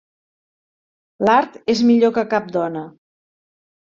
L'Art és millor que cap dona.